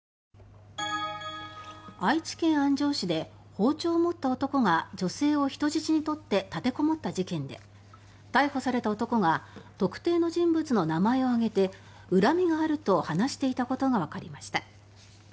愛知県安城市で包丁を持った男が女性を人質に取って立てこもった事件で逮捕された男が特定の人物の名前を挙げて恨みがあると話していたことがわかりました。